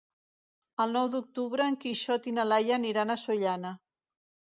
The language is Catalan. El nou d'octubre en Quixot i na Laia aniran a Sollana.